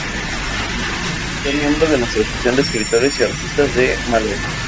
Fue miembro de la Asociación de Escritores y Artistas de Málaga.